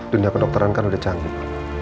dunia kedokteran kan udah canggih